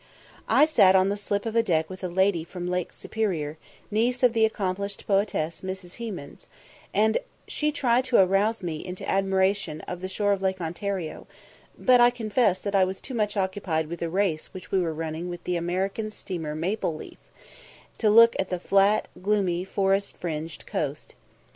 I sat on the slip of deck with a lady from Lake Superior, niece of the accomplished poetess Mrs. Hemans, and she tried to arouse me into admiration of the shore of Lake Ontario; but I confess that I was too much occupied with a race which we were running with the American steamer Maple leaf, to look at the flat, gloomy, forest fringed coast.